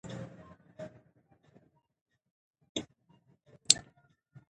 د پوهې او معرفت لاره.